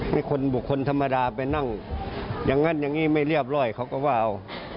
มีคนบุคคลธรรมดาไปนั่งอย่างนั้นอย่างนี้ไม่เรียบร้อยเขาก็ว่าเอา